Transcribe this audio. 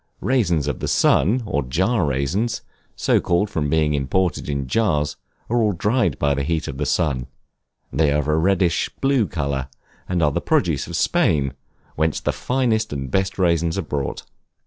Raisins of the sun, or jar raisins, so called from being imported in jars, are all dried by the heat of the sun; they are of a reddish blue color, and are the produce of Spain, whence the finest and best raisins are brought.